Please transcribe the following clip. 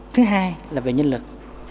thứ hai là về nhân lực